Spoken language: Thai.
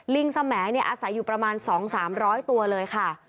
สมัยอาศัยอยู่ประมาณ๒๓๐๐ตัวเลยค่ะ